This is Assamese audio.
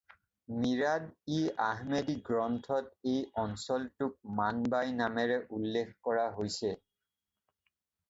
মিৰাদ-ই-আহমেদি গ্ৰন্থত এই অঞ্চলটোক মানবাই নামেৰে উল্লেখ কৰা হৈছে।